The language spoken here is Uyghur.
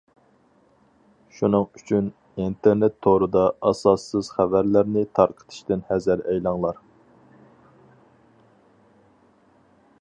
شۇنىڭ ئۈچۈن، ئىنتېرنېت تورىدا ئاساسسىز خەۋەرلەرنى تارقىتىشتىن ھەزەر ئەيلەڭلار.